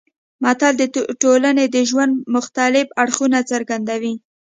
متل د ټولنې د ژوند مختلف اړخونه څرګندوي